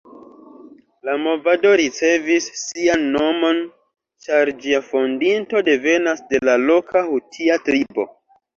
La movado ricevis sian nomon ĉar ĝia fondinto devenas de la loka hutia tribo.